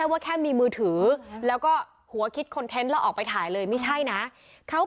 ว่าเป็นสิวิชมวงชนด้วย